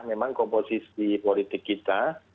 memang komposisi politik kita